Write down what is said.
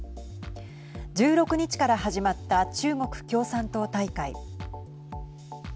１６日から始まった中国共産党大会。